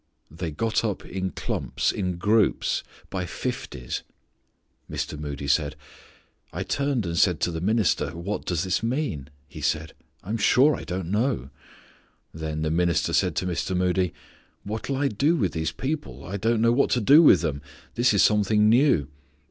They got up in clumps, in groups, by fifties! Mr. Moody said, "I turned and said to the minister, 'What does this mean?' He said, 'I'm sure I don't know.'" Then the minister said to Mr. Moody, "What'll I do with these people? I don't know what to do with them; this is something new."